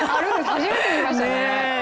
初めて見ましたね。